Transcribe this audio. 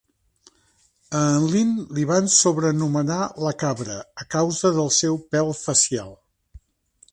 A en Linn li van sobrenomenar "la Cabra" a causa del seu pèl facial.